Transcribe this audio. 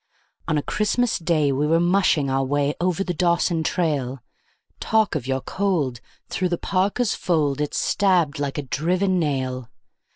On a Christmas Day we were mushing our way over the Dawson trail. Talk of your cold! through the parka's fold it stabbed like a driven nail.